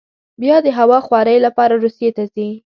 بیا د هوا خورۍ لپاره روسیې ته ځي.